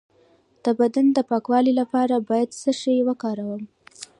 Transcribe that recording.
د بدن د پاکوالي لپاره باید څه شی وکاروم؟